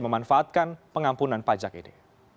memanfaatkan pengampunan pajak ini